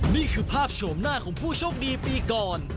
นี่คือภาพโฉมหน้าของผู้โชคดีปีก่อน